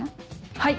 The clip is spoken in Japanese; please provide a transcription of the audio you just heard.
はい。